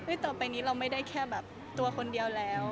ต่อไปนี้เราไม่ได้แค่แบบตัวคนเดียวแล้ว